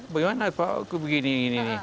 bagaimana pak aku begini gini